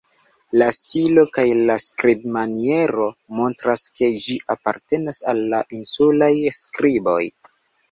La stilo kaj la skribmaniero montras, ke ĝi apartenas al la insulaj skriboj.